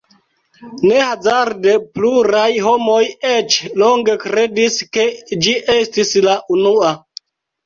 Ne hazarde pluraj homoj eĉ longe kredis, ke ĝi estis la unua.